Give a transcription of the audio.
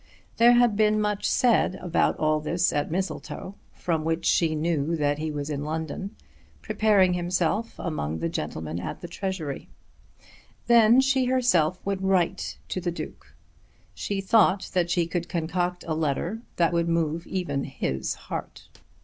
There had been much said about all this at Mistletoe from which she knew that he was in London preparing himself among the gentlemen at the Treasury. Then she herself would write to the Duke. She thought that she could concoct a letter that would move even his heart.